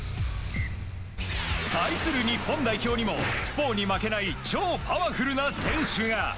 対する日本代表にもトゥポウに負けない超パワフルな選手が。